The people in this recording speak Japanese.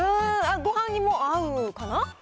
ごはんにも合うかな？